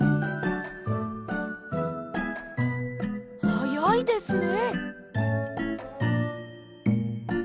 はやいですね！